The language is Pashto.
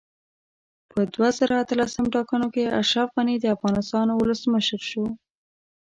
په دوه زره اتلسم ټاکنو کې اشرف غني دا افغانستان اولسمشر شو